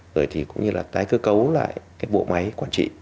rồi thì cũng như là tái cơ cấu lại cái bộ máy quản trị